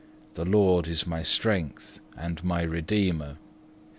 The Lord is my strength and my Redeemer.